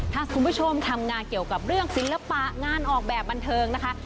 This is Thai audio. ถ้าคุณผู้ชมทำงานเกี่ยวกับเรื่องศิลปะงานออกแบบบันเทิงนะคะ